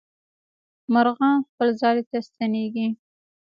مرغان خپل ځالې ته ستنېږي.